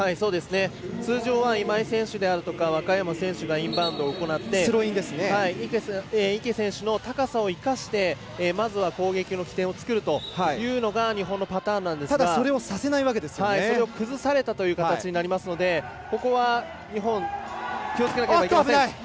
通常は今井選手であるとか若山選手がインバウンドを行って池選手の高さを生かしてまずは攻撃の起点を作るというのが日本のパターンなんですがそれを崩されたという形になりますのでここは日本気をつけなきゃいけません。